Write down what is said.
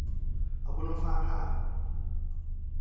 เอาบุญมาฝากค่ะ